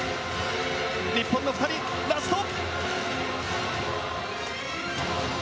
日本の２人、ラスト。